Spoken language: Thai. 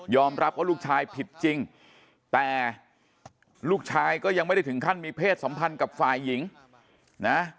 รับว่าลูกชายผิดจริงแต่ลูกชายก็ยังไม่ได้ถึงขั้นมีเพศสัมพันธ์กับฝ่ายหญิงนะ